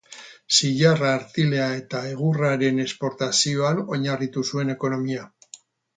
Zilarra, artilea eta egurraren esportazioan oinarritu zuen ekonomia.